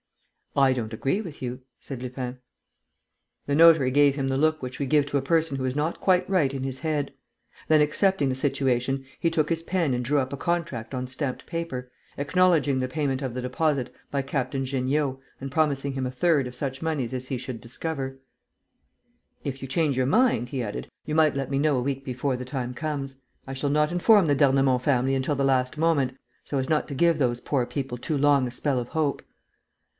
"I don't agree with you," said Lupin. The notary gave him the look which we give to a person who is not quite right in his head. Then, accepting the situation, he took his pen and drew up a contract on stamped paper, acknowledging the payment of the deposit by Captain Jeanniot and promising him a third of such moneys as he should discover: "If you change your mind," he added, "you might let me know a week before the time comes. I shall not inform the d'Ernemont family until the last moment, so as not to give those poor people too long a spell of hope."